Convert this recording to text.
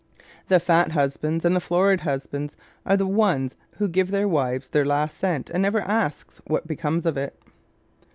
The fat husbands and the florid husbands are the ones who give their wives their last cent and never ask what becomes of it.